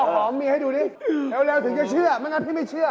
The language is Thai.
ของเมียให้ดูดิเร็วถึงจะเชื่อไม่งั้นพี่ไม่เชื่อ